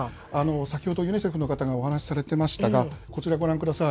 先ほど、ユニセフの方がお話されてましたが、こちら、ご覧ください。